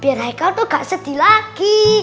biar hai kau tuh gak sedih lagi